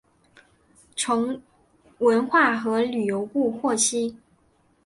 从文化和旅游部获悉